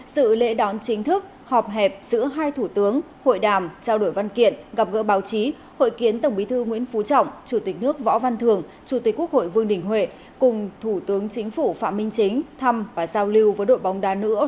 sự lễ đón chính thức họp hẹp giữa hai thủ tướng hội đàm trao đổi văn kiện gặp gỡ báo chí hội kiến tổng bí thư nguyễn phú trọng chủ tịch nước võ văn thường chủ tịch quốc hội vương đình huệ cùng thủ tướng chính phủ phạm minh chính thăm và giao lưu với đội bóng đá nữ